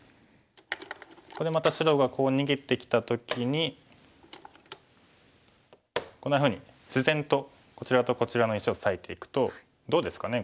ここでまた白が逃げてきた時にこんなふうに自然とこちらとこちらの石を裂いていくとどうですかね